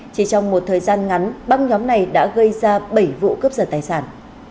chỉ trong một thời gian ngắn băng nhóm này đã gây ra bảy vụ cướp giật tài sản